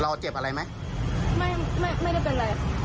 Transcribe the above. เราเจ็บอะไรไหมไม่ไม่ได้เป็นไร